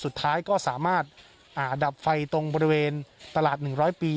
สุดท้ายก็สามารถดับไฟตรงบริเวณตลาด๑๐๐ปี